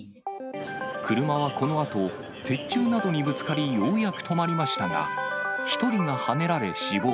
車はこのあと、鉄柱などにぶつかり、ようやく止まりましたが、１人がはねられ、死亡。